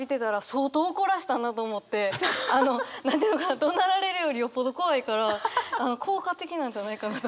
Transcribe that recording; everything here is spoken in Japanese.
どなられるよりよっぽど怖いから効果的なんじゃないかなと。